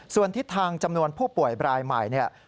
ส่วนทิศทางจำนวนผู้ป่วยรายใหม่เนี่ย